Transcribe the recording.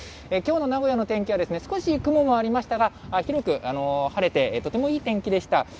きょうの名古屋の天気はですね、少し雲がありましたが、広く晴れて、とてもいい天気でした。